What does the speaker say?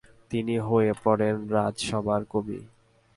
তিনি হয়ে পড়েন রাজসভার কবি।